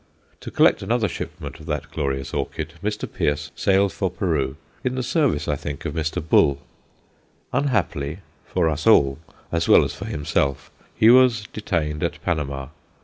To collect another shipment of that glorious orchid, Mr. Pearce sailed for Peru, in the service, I think, of Mr. Bull. Unhappily for us all as well as for himself he was detained at Panama.